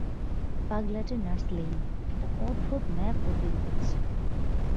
পাগলাটে nurse Lane, একটা অদ্ভুত map ও তৈরি করেছে।